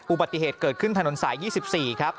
อุบัติเหตุเกิดขึ้นถนนสาย๒๔ครับ